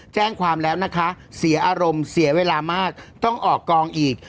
แจ้งความแล้วนะคะเสียอารมณ์เสียเวลามากต้องออกกองอีก